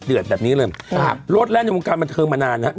เดือดแบบนี้เลยครับโรศแล่นอยู่กับผมกรรมเองเธอกันมานานนะครับ